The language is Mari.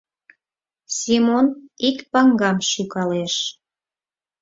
Семон ик паҥгам шӱкалеш.